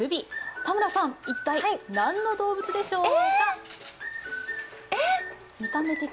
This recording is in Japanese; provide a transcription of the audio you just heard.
田村さん、一体何の動物でしょうか？